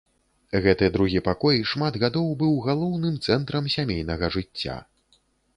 Гэты другі пакой шмат гадоў быў галоўным цэнтрам сямейнага жыцця.